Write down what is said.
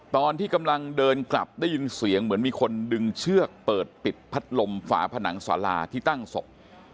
ตอนที่กำลังเดินกลับได้ยินเสียงเหมือนมีคนดึงเชือกเปิดปิดพัดลมฝาผนังสาราที่ตั้งศพ